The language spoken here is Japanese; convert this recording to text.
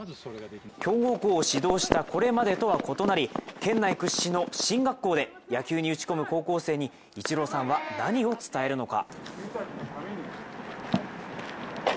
強豪校を指導したこれまでとは異なり県内屈指の進学校で、野球に打ち込む高校生にイチローさんは何を伝えるのか。